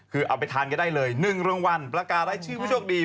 คือเอาไปทานได้เลยหนึ่งรางวัลปราการได้ชื่อพระโชคดี